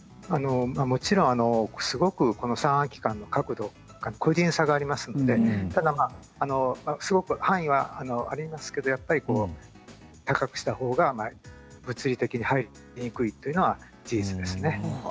もちろん三半規管の角度個人差がありますのでただ範囲はありますけれど高くしたほうが物理的に入りにくいというのは事実ですね。